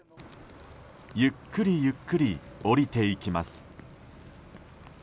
ゆっくりゆっくり下りていきます。